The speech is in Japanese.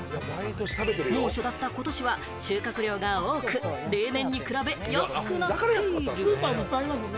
猛暑だったことしは収穫量が多く、例年に比べ、安くなっている。